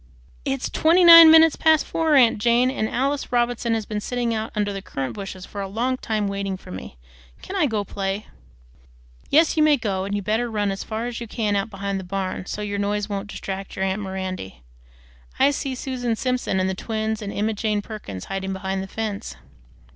It's TWENTY NINE minutes past four, aunt Jane, and Alice Robinson has been sitting under the currant bushes for a long time waiting for me. Can I go and play?" "Yes, you may go, and you'd better run as far as you can out behind the barn, so 't your noise won't distract your aunt Mirandy. I see Susan Simpson and the twins and Emma Jane Perkins hiding behind the fence."